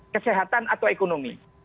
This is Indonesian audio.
kesehatan atau ekonomi